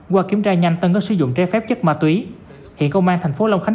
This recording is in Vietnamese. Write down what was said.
qua kiểm tra nhanh tân có sử dụng trái phép chất ma túy hiện công an thành phố long khánh